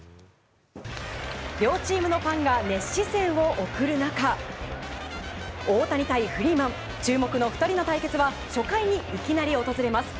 両チームのファンが熱視線を送る中大谷対フリーマン注目の２人の対決は初回にいきなり訪れます。